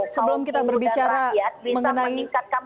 sebelum kita berbicara mengenai